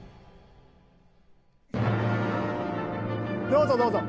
どうぞどうぞ。